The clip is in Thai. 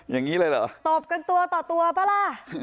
อย่างนี้เลยเหรอตบกันตัวต่อตัวป่ะล่ะ